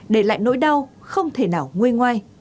để lại nỗi đau không thể nào nguê ngoai